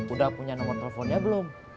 udah punya nomor teleponnya belum